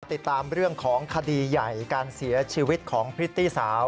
ติดตามเรื่องของคดีใหญ่การเสียชีวิตของพริตตี้สาว